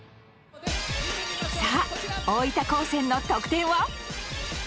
さぁ大分高専の得点は？